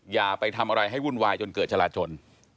อย่าไปทำอะไรให้วุ่นวายจนเกิดจราจน